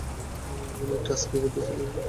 উনি টাস্কেগীতে ছিলেন।